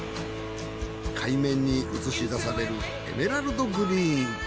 海面に映し出されるエメラルドグリーン。